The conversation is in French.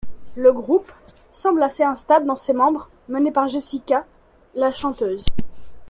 Le groupe semble assez instable dans ces membres menés par Jessicka, la chanteuse.